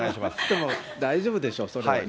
大丈夫でしょ、それはね。